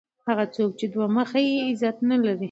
هغه څوک چي دوه مخی يي؛ عزت نه لري.